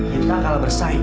kita kalah bersaing